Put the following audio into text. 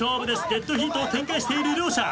デッドヒートを展開している両者。